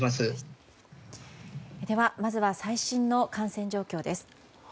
では、まずは最新の感染状況です。